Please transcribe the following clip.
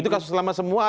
itu kasus lama semua atau